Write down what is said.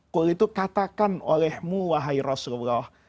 kul itu katakan olehmu wahai rasulullah